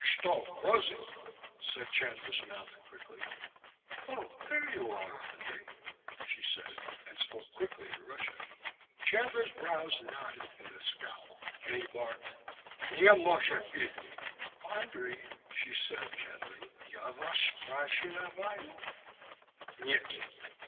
"Shto, Rosie?" said Chandler's mouth thickly. "Oh, there you are, Andrei," she said, and spoke quickly in Russian. Chandler's brows knotted in a scowl and he barked: "Nyeh mozhet bit!" "Andrei...." she said gently. "Ya vas sprashnivayoo...." "_Nyet!